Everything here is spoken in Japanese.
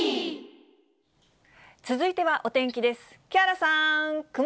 続いてはお天気です。